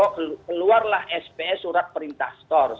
keluarlah sp surat perintah store